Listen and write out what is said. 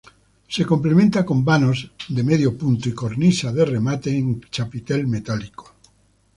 Se complementa con vanos de medio punto y cornisa y remate en chapitel metálico.